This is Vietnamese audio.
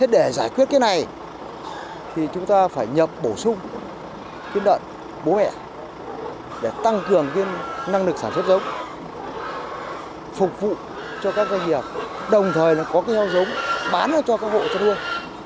để giải quyết cái này chúng ta phải nhập bổ sung đợn bố mẹ để tăng cường năng lực sản xuất giống phục vụ cho các doanh hiệp đồng thời có cái heo giống bán cho các hộ trại nuôi